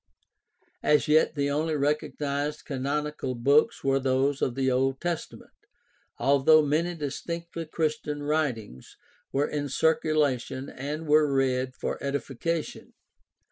As yet the only recog nized canonical books were those of the Old Testament, although many distinctly Christian writings were in circula tion and were read for edification.